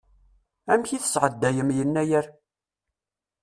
Amek i tesɛeddayem Yennayer?